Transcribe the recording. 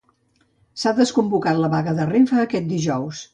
S'ha desconvocat la vaga de Renfe d'aquest dijous.